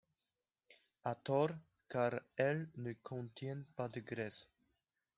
À tort, car elles ne contiennent pas de graisse.